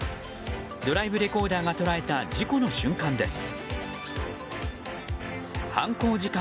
ドライブレコーダーが捉えた事故の瞬間です。